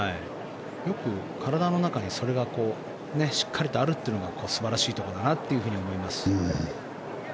よく体の中にそれがしっかりとあるというのが素晴らしいところだなと思います。